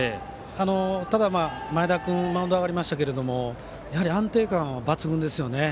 ただ、前田君マウンドに上がりましたけどやはり安定感は抜群ですよね。